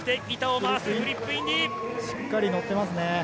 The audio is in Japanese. しっかり乗ってますね。